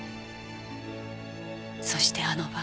そしてあの晩。